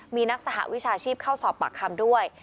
มีนักสหวิชาชีพเข้าสอบปากคำด้วย